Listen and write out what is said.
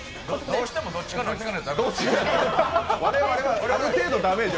どうしてもどっちかが。